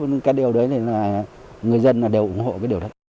và những cái điều đấy là người dân đều ủng hộ cái điều đó